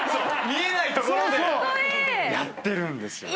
見えないところでやってるんですよ。